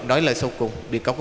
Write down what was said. thôi làm sao sợ tố cáo